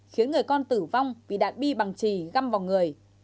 khiến người con tử vong vì đạn bi bằng trì găm vào người